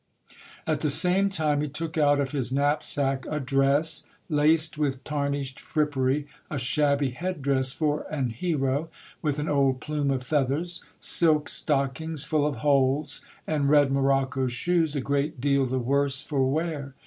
At the same time he took out of his knapsack a dress, laced with tarnished frippery, a shabby head dress for an hero, with an old plume of feathers ; silk stockings full of holes, and red morocco shoes a great deal the worse for wear.